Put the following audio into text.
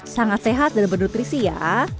sangat sehat dan bernutrisi ya